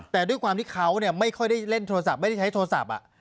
แต่ด้วยความที่เขาไม่ค่อยได้เล่นโทรศัพท์ไม่ได้ใช้โทรศัพท์